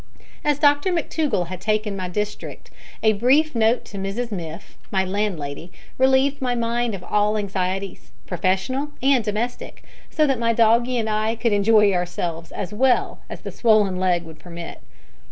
As Dr McTougall had taken my district, a brief note to Mrs Miff, my landlady, relieved my mind of all anxieties, professional and domestic, so that my doggie and I could enjoy ourselves as well as the swollen leg would permit.